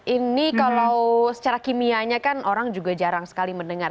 ini kalau secara kimianya kan orang juga jarang sekali mendengar